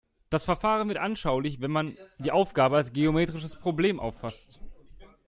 Das Verfahren wird anschaulich, wenn man die Aufgabe als geometrisches Problem auffasst.